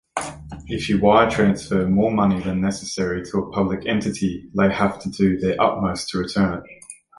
If you wire transfer more money than necessary to a public entity, they have to do their utmost to return it.